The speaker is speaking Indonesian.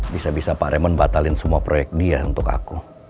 bisa bisa pak remon batalin semua proyek dia untuk aku